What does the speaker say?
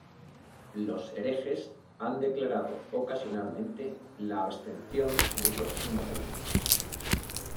Los herejes han declarado ocasionalmente la abstención del consumo de vino.